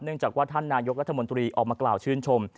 เนื่องจากท่านนายุทห์ลัธมนตรีออกมากล่าวชื่นชม